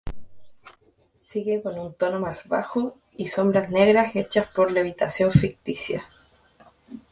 Sigue con un tono más bajo y sombras negras hechas por levitación ficticia.